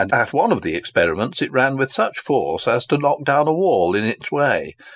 At one of the experiments it ran with such force as to knock down a wall in its way.